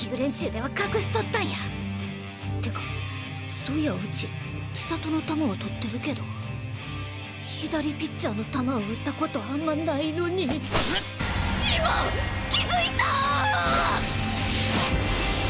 てかそーいやうち千里の球は捕ってるけど左ピッチャーの球を打ったことあんまないのに今気付いたぁぁぁ！